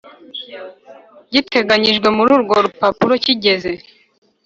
giteganyijwe muri urwo rupapuro kigeze